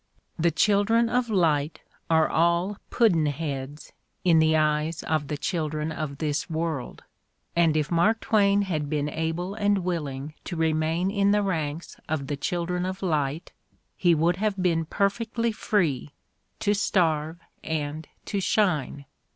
The children of light are all Pudd'n heads in the eyes of the children of this world, and if Mark Twain had been able and willing to remain in the ranks of the children of light he would have been per fectly free — to starve and to shine.